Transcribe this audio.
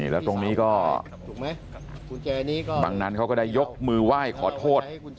แล้วตรงนี้ก็บังนั้นเขาก็ได้ยกมือไหว้ขอโทษ